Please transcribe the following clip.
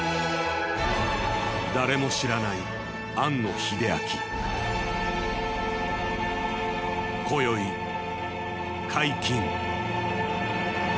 誰も知らない庵野秀明今宵解禁